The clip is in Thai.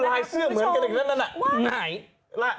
มีรายเสื้อเหมือนกัน